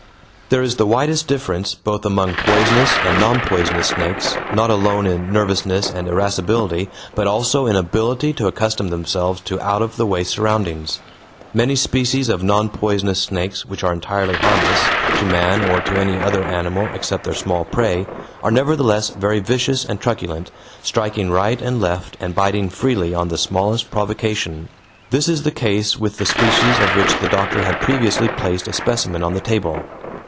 There is the widest difference, both among poisonous and non poisonous snakes, not alone in nervousness and irascibility but also in ability to accustom themselves to out of the way surroundings. Many species of non poisonous snakes which are entirely harmless, to man or to any other animal except their small prey, are nevertheless very vicious and truculent, striking right and left and biting freely on the smallest provocation this is the case with the species of which the doctor had previously placed a specimen on the table.